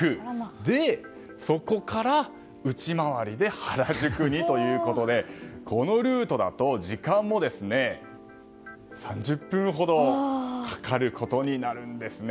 で、そこから内回りで原宿にということでこのルートだと時間も３０分ほどかかることになるんですね。